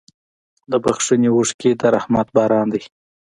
د بښنې اوښکې د رحمت باران دی.